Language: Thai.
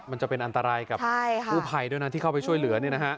มันจะเป็นอันตรายกับผู้ไผ่ด้วยนะที่เข้าไปช่วยเหลือเนี่ยนะฮะ